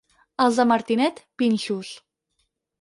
Els de Martinet, pinxos.